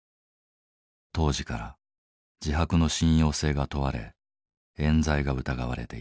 当時から自白の信用性が問われえん罪が疑われていた。